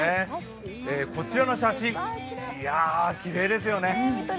こちらの写真、いやきれいですよね。